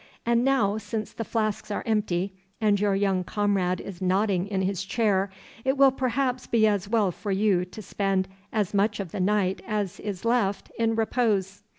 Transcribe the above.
And now, since the flasks are empty and your young comrade is nodding in his chair, it will perhaps be as well for you to spend as much of the night as is left in repose.